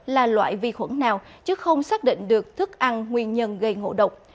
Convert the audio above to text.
là loại vi khuẩn nào chứ không xác định được thức ăn nguyên nhân gây ngộ độc